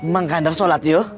mengandar sholat yuk